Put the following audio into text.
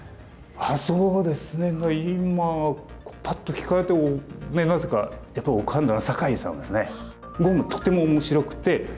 そうですね今パッと聞かれてなぜかやっぱ浮かんだのは酒井さんですね。